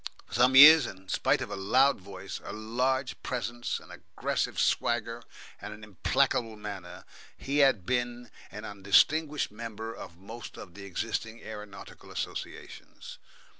For some years, in spite of a loud voice, a large presence, an aggressive swagger, and an implacable manner, he had been an undistinguished member of most of the existing aeronautical associations.